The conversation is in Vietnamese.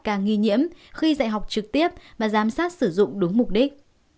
càng nghi nhiễm khi dạy học trực tiếp và giám sát sử dụng đúng mục đích